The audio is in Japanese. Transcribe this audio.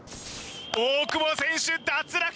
大久保選手脱落